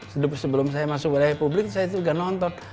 sebelum saya masuk wilayah publik saya juga nonton